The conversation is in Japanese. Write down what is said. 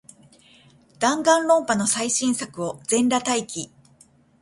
ダンガンロンパの最新作を、全裸待機